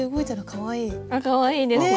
かわいいですね。